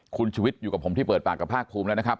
คุณชุวิตอยู่กับผมที่เปิดปากกับภาคภูมิแล้วนะครับ